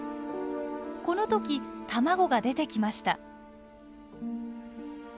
この時卵が出てきました。